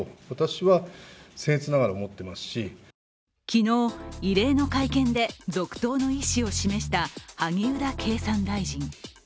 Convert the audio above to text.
昨日、異例の会見で続投の意思を示した萩生田経産大臣。